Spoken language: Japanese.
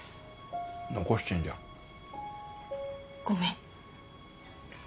残してんじゃん。ごめん。